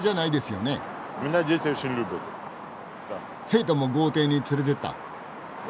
生徒も豪邸に連れてった？